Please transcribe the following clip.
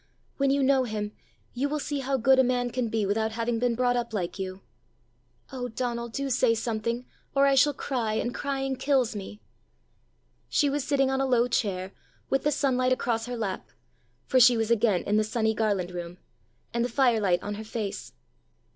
When you know him, you will see how good a man can be without having been brought up like you! Oh, Donal, do say something, or I shall cry, and crying kills me!" She was sitting on a low chair, with the sunlight across her lap for she was again in the sunny Garland room and the firelight on her face.